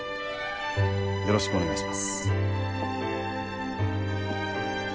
よろしくお願いします。